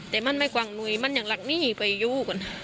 แต่มันไม่กว้างหนุ่ยมันอย่างหลักหนี้ไปอยู่กัน